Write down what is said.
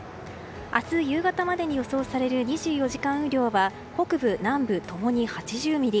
明日夕方までに予想される２４時間雨量は北部南部共に８０ミリ。